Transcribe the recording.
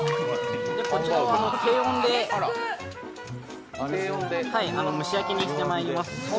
こちらは低温で蒸し焼きにしてまいります。